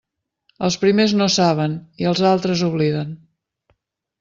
Els primers no saben, i els altres obliden.